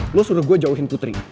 lo suruh gue jauhin putri